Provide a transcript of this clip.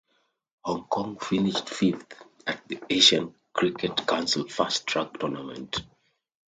Hong Kong finished fifth at the Asian Cricket Council Fast Track Tournament.